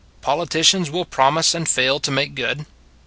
Politicians will promise and fail to make good.